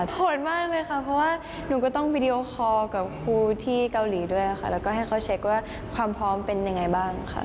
โหดมากเลยค่ะเพราะว่าหนูก็ต้องวิดีโอคอร์กับครูที่เกาหลีด้วยค่ะแล้วก็ให้เขาเช็คว่าความพร้อมเป็นยังไงบ้างค่ะ